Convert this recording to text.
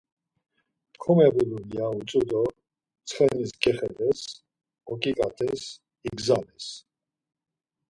Komebulur ya utzu do tsxenis gexedes, oǩiǩates igzales.